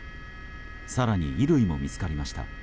更に衣類も見つかりました。